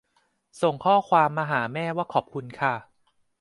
ส่งข้อความหาแม่ว่าขอบคุณค่ะ